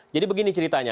jadi begini ceritanya